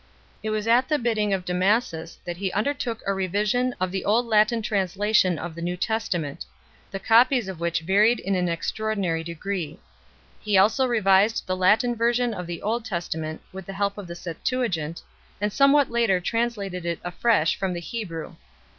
It was at the bidding of Damasus that he undertook a revision of the Old Latin translation pf_the New Testament 6 , the copies of which varied in an extraordinary degree; he also revised the Latin Version of the Old Testament with the help of the Septuagint, and somewhat later translated it afresh from the Hebrew 7